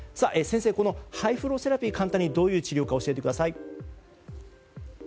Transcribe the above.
先生、ハイフローセラピーとは簡単に、どういう治療か教えてください。